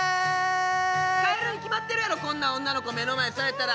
帰るに決まってるやろこんなん女の子目の前されたら！